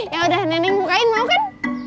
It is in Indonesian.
yaudah neneng bukain mau kan